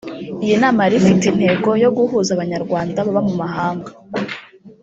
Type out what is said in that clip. Iyi nama yari ifite intego yo guhuza Abanyarwanda baba mu mahanga